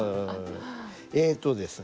えっとですね